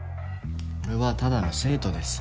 俺はただの生徒です。